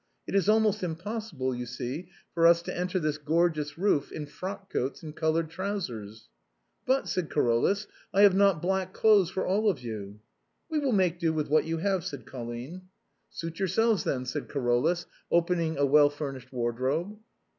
It is almost impossible, you see, for us to enter this gorgeous roof in frock coats and colored trousers." " But," said Carolus, " I have not black clothes for all of you." " We will make do with what you have," said Colline. " Suit yourselves, then," said Carolus, opening a well furnished wardrobe.